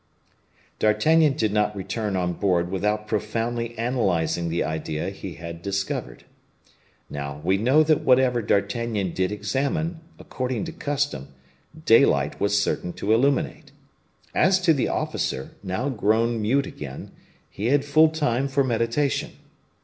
D'Artagnan did not return on board without profoundly analyzing the idea he had discovered. Now, we know that whatever D'Artagnan did examine, according to custom, daylight was certain to illuminate. As to the officer, now grown mute again, he had full time for meditation.